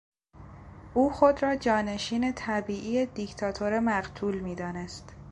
او خود را جانشین طبیعی دیکتاتور مقتول میدانست.